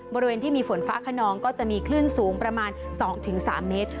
บริเวณที่มีฝนฟ้าขนองก็จะมีคลื่นสูงประมาณ๒๓เมตร